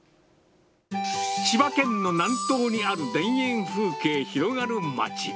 千葉県の南東にある田園風景広がる町。